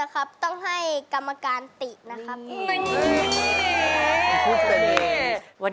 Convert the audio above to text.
เป็นอย่างไรจ้าสาวน้อยกะหริบจริงรึไงลูกเอ๋ย